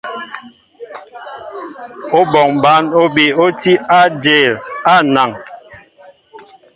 Óbɔŋ bǎn óbi ó tí á ajěl á anaŋ.